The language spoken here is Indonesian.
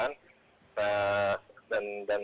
dan juga tidak ada penumpang yang terluka di sana